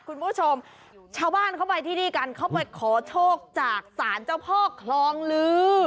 คุณผู้ชมชาวบ้านเข้าไปที่นี่กันเข้าไปขอโชคจากศาลเจ้าพ่อคลองลือ